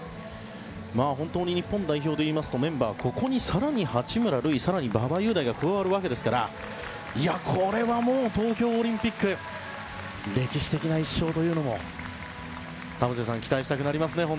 本当に日本代表でいいますとここに八村塁、馬場雄大が加わるわけですからこれはもう東京オリンピック歴史的な１勝というのも田臥さん期待したくなりますね。